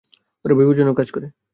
ওরা বিপদজনক কাজ করে।